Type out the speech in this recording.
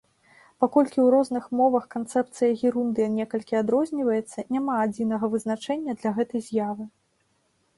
Паколькі ў розных мовах канцэпцыя герундыя некалькі адрозніваецца, няма адзінага вызначэння для гэтай з'явы.